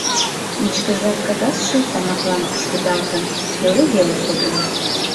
Вичкыжрак кагазше тамаклан кушкедалтын, пеле веле кодын.